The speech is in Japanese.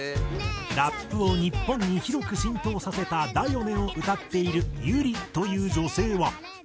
ラップを日本に広く浸透させた『ＤＡ．ＹＯ．ＮＥ』を歌っているＹＵＲＩという女性は。